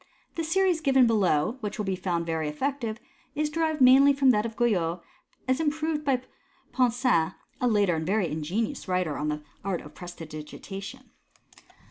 The series given below, which will be found very effective, is derived mainly from that of Guyot, as improved by Ponsin, a later and very ingenious writer on the art of presti digitation.